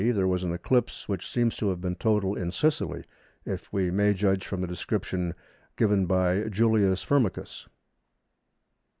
there was an eclipse, which seems to have been total in Sicily, if we may judge from the description given by Julius Firmicus.